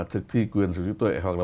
thực thi quyền chủ trí tuệ hoặc là